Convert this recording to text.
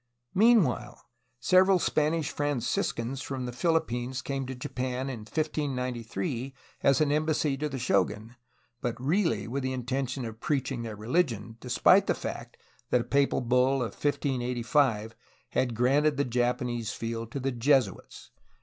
Meanwhile, several Spanish Franciscans from the Philippines came to Japan in 1593 as an embassy to the sho gun, but really with the intention of preaching their relig ion, despite the fact that a papal bull of 1585 had granted the Japanese field to the Jesuits.